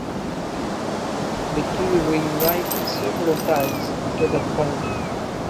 The two reunited several times after that point.